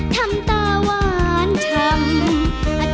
ทำตะวันทำหนึ่ง